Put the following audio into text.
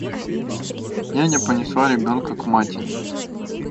Няня понесла ребенка к матери.